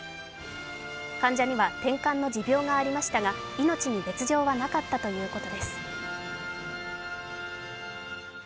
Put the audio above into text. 患者には、てんかんの持病がありましたが、命に別状はなかったということです。